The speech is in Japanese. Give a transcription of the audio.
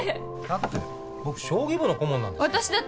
だって僕将棋部の顧問なんですから。